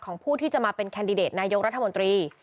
ผู้ที่จะมาเป็นแคนดิเดตนายกรัฐมนตรี